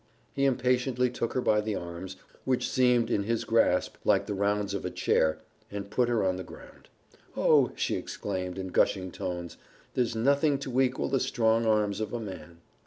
He impatiently took her by the arms, which seemed in his grasp like the rounds of a chair, and put her on the ground. "Oh!" she exclaimed, in gushing tones, "there's nothing to equal the strong arms of a man."